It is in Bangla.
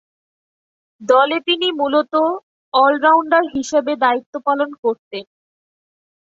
দলে তিনি মূলতঃ অল-রাউন্ডার হিসেবে দায়িত্ব পালন করতেন।